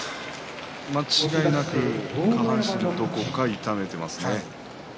間違いなく下半身のどこかを痛めていますね。